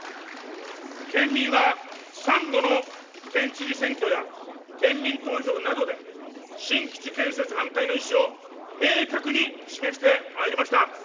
県民は、３度の県知事選挙や県民投票などで、新基地建設反対の意思を明確に示してまいりました。